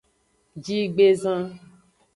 Jigbezan.